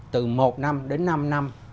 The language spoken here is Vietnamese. từ một năm đến năm năm